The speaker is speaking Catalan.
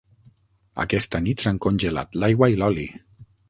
Aquesta nit s'han congelat l'aigua i l'oli.